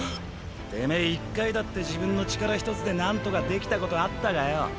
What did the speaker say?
てめぇ一回だって自分の力一つで何とかできたことあったかよ？